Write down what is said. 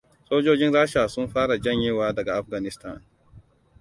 Sojojin Rasha sun fara janyewa daga Afghanistan.